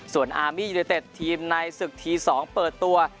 ส่วนอามียูเนเต็ดทีมในศึกที๒เปิดตัว